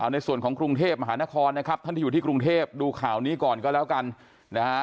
ในส่วนของกรุงเทพมหานครนะครับท่านที่อยู่ที่กรุงเทพดูข่าวนี้ก่อนก็แล้วกันนะฮะ